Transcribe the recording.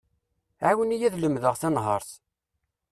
Ɛiwen-iyi ad lemdeɣ tanehart.